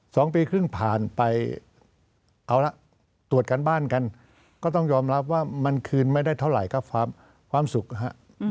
สองปีครึ่งผ่านไปเอาละตรวจการบ้านกันก็ต้องยอมรับว่ามันคืนไม่ได้เท่าไหร่ก็ความสุขนะฮะ